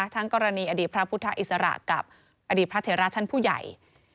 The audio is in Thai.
ทั้งกรณีอดีตพระพุทธอิสระกับอดีตพระเถระชั้นผู้ใหญ่